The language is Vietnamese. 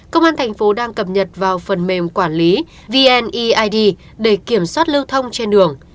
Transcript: công an thành phố đang cập nhật vào phần mềm quản lý vneid để kiểm soát lưu thông trên đường